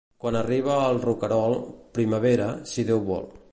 Quan arriba el roquerol, primavera, si Déu vol.